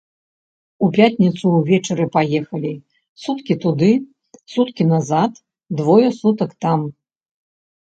У пятніцу ўвечары паехалі, суткі туды, суткі назад, двое сутак там.